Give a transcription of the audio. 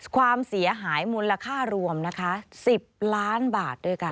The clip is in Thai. ความเสียหายมูลค่ารวมนะคะ๑๐ล้านบาทด้วยกัน